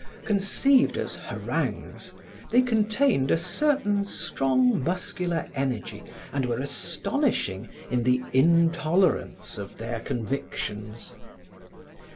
Conceived as harangues, they contained a certain strong muscular energy and were astonishing in the intolerance of their convictions.